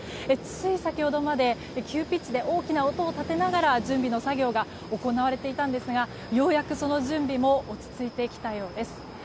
つい先ほどまで急ピッチで大きな音を立てながら準備の作業が行われていたんですがようやく、その準備も落ち着いてきたようです。